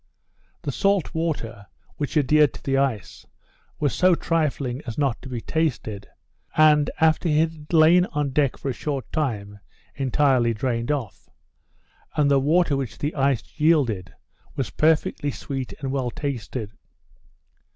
The salt water which adhered to the ice, was so trifling as not to be tasted, and, after it had lain on deck for a short time, entirely drained off; and the water which the ice yielded, was perfectly sweet and well tasted.